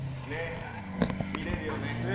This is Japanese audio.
見れるよね。